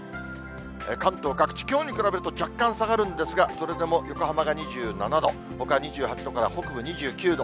関東各地、きょうに比べると若干下がるんですが、それでも横浜が２７度、ほか２８度から北部２９度。